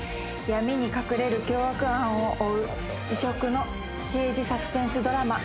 闇に隠れる凶悪犯を追う異色の刑事サスペンスドラマ